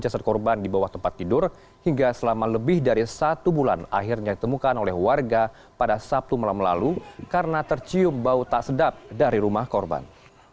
akhirnya ditemukan oleh warga pada sabtu malam lalu karena tercium bau tak sedap dari rumah korban